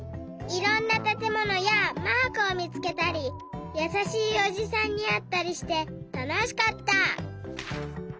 いろんなたてものやマークをみつけたりやさしいおじさんにあったりしてたのしかった！